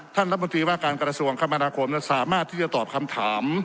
ท่านรัฐมนตรีว่าการกระทรวงคมนาคมนั้นสามารถที่จะตอบคำถาม